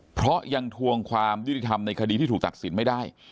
เพราะยังทวงความยุติธรรมในคดีที่ถูกตัดสินไม่ได้